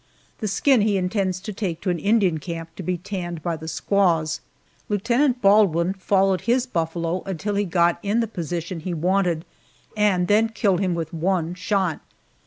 The skin he intends to take to an Indian camp, to be tanned by the squaws. Lieutenant Baldwin followed his buffalo until he got in the position he wanted, and then killed him with one shot.